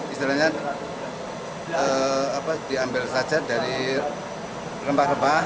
istilahnya diambil saja dari rempah rempah